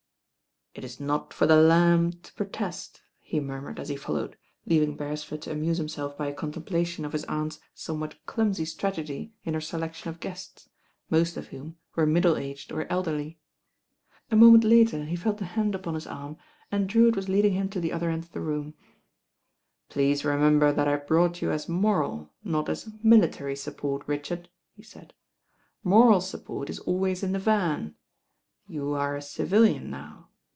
"It is not for the lamb to protest," he murmured as he followed, leaving Beresford to amuse him self by a contemplation of his aunt's somewhat clumsy strategy in her selection of guests, most of whom were middle aged or elderly. A moment later he felt a hand upon his arm ind ... THE HEIRESS INDISPOSED US Drewitt was leading him to the other end of the itxnn. "Please remember that I brou^t you as moral, not as military support, Richard," he said. "Moral support is always in the van. You are a drilian now.